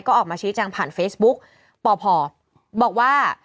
ก็ออกมาชี้แจงผ่านเฟซบุ๊กปพบอกว่า